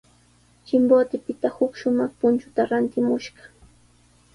Chimbotepita huk shumaq punchuta rantimushqa.